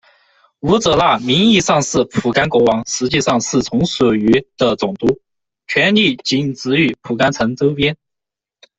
吾者那名义上是蒲甘国王，实际上是从属于的总督，权力仅止于蒲甘城周边。